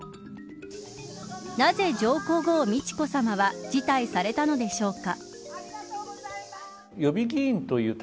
なぜ上皇后美智子さまは辞退されたのでしょうか。